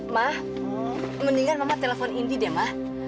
ma mendingan mama telepon indy deh ma